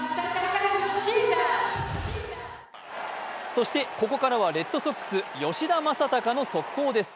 そしてここからはレッドソックス・吉田正尚の速報です。